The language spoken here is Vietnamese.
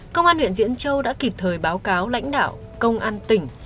công an huyện diễn châu đã kịp thời báo cáo lãnh đạo công an tỉnh